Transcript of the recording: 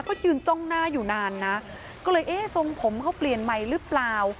ก็ยืนจ้องหน้าอยู่นานนะก็เลยเอ๊ะทรงผมเขาเปลี่ยนใหม่หรือเปล่า